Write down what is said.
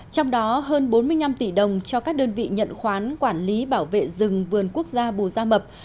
trong đó hơn bốn mươi năm tỷ đồng cho các đơn vị nhận khoán quản lý bảo vệ rừng vườn quốc gia bù gia mập